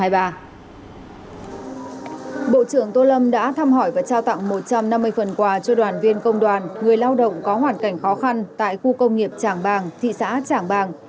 bộ trưởng tô lâm đã thăm hỏi và trao tặng một trăm năm mươi phần quà cho đoàn viên công đoàn người lao động có hoàn cảnh khó khăn tại khu công nghiệp tràng bàng thị xã trảng bàng